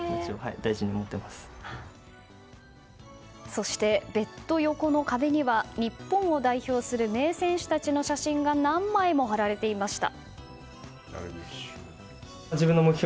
そして、ベッド横の壁には日本を代表する名選手たちの写真が何枚も貼られていました。